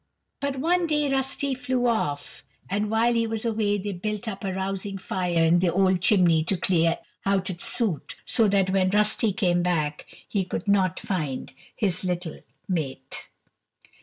But one day Rusty flew off, and while he was away they built up a rousing fire in the old chimney to clear out its soot, so that when Rusty came back he could not find his little mate.